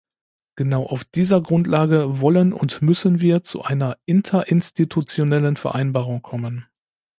Genau auf dieser Grundlage wollen und müssen wir zu einer interinstitutionellen Vereinbarung kommen.